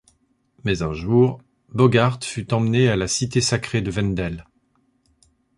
Mais un jour, Bogard fut emmené à la Cité Sacrée de Wendel.